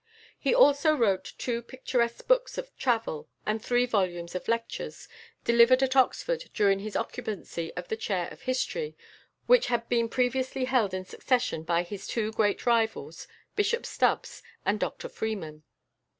He also wrote two picturesque books of travel, and three volumes of lectures delivered at Oxford during his occupancy of the chair of history, which had been previously held in succession by his two great rivals, Bishop Stubbs and Dr Freeman.